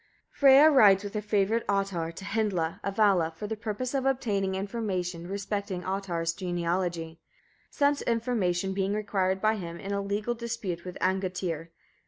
Freyia rides with her favourite Ottar to Hyndla, a Vala, for the purpose of obtaining information respecting Ottar's genealogy, such information being required by him in a legal dispute with Angantyr.